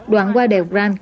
đoạn qua đèo grand